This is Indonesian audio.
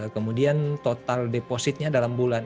kemudian total depositnya dalam bulan